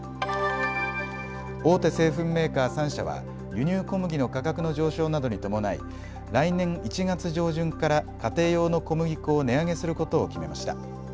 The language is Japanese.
大手製粉メーカー３社は輸入小麦の価格の上昇などに伴い来年１月上旬から家庭用の小麦粉を値上げすることを決めました。